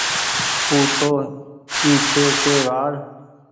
او تو اي ڇي ڪي وآڙ۔